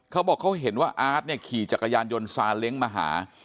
เขาบอกเขาเห็นว่าอาร์ตเนี่ยขี่จักรยานยนต์ซาเล้งมาหา